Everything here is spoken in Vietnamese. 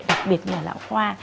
đặc biệt là lão khoa